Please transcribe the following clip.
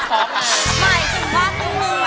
ไม่จริงว่าครึ่งหนึ่งไม่เห็นว่า